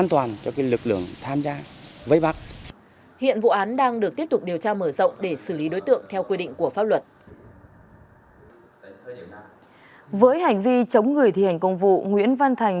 tại hiện vụ án đang được tiếp tục điều tra mở rộng để xử lý đối tượng theo quy định của pháp luật